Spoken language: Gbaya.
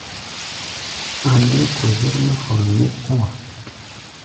A̧ nɛɛ́ kɔzér mɛ́ fɔr nyɛ́k kɔ̧́-a̧.